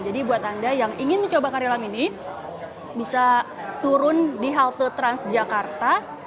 jadi buat anda yang ingin mencoba kari lam ini bisa turun di halte transjakarta